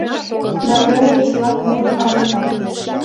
Бандеровец-влак мурым авалтат.